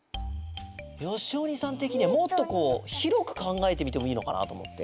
よしお兄さんてきにはもっとこうひろくかんがえてみてもいいのかなとおもって。